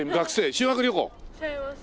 修学旅行？